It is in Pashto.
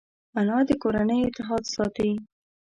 انا د کورنۍ اتحاد ساتي